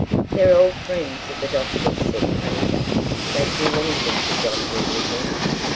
"They're old friends of the Doctor's," said Miranda. "They'd do anything for John Dolittle.